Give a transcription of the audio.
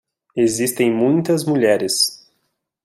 Existem muitas mulheres